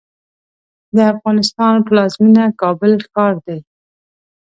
د افغانستان پلازمېنه کابل ښار دی.